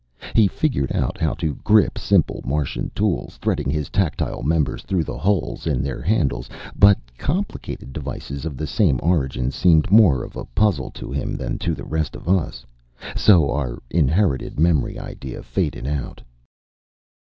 He figured out how to grip simple Martian tools, threading his tactile members through the holes in their handles; but complicated devices of the same origin seemed more of a puzzle to him than to the rest of us. So our inherited memory idea faded out.